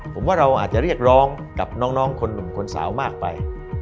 ผมว่าเราอาจจะเรียกร้องกับน้องคนหนุ่มคนสาวมากไป